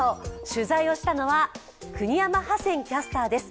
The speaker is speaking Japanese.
取材をしたのは国山ハセンキャスターです。